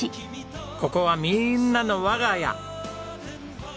ここはみんなの我が家。